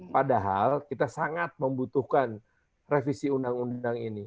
padahal kita sangat membutuhkan revisi ruu ini